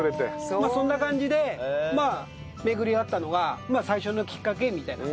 そんな感じで巡り会ったのが最初のきっかけみたいな。